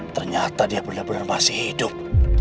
ternyata dia benar benar masih hidup